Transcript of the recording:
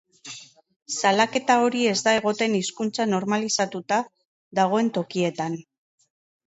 Salaketa hori ez da egoten hizkuntza normalizatuta dagoen tokietan.